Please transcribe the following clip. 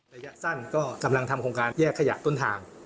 ระยะสั้นก็กำลังทำโครงการแยกขยะต้นทาง